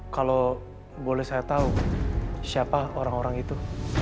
kalau boleh saya tahu siapa orang orang itu